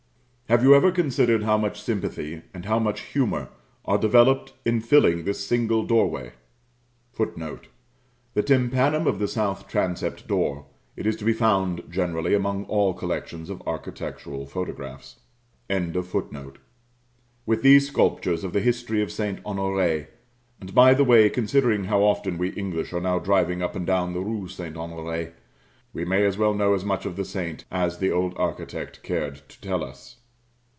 Have you ever considered how much sympathy, and how much humour, are developed in filling this single doorway [Footnote: The tympanum of the south transcept door; it is to be found generally among all collections of architectural photographs] with these sculptures of the history of St. Honoré (and, by the way, considering how often we English are now driving up and down the Rue St. Honoré, we may as well know as much of the saint as the old architect cared to tell us).